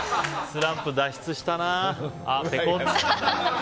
スランプ脱出したな。